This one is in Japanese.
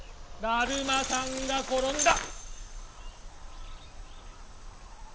だるまさんがころんだ！